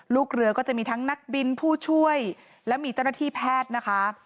ลูกเรือก็จะมีทั้งนักบินผู้ช่วยและมีเจ้าหน้าที่แพทย์นะคะ